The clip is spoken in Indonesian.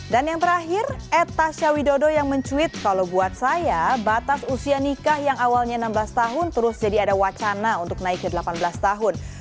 dan yang terakhir ad tasya widodo yang mencuit kalau buat saya batas usia nikah yang awalnya enam belas tahun terus jadi ada wacana untuk naik ke delapan belas tahun